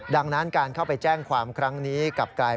ดังนั้นการเข้าไปแจ้งความครั้งนี้กลับกลาย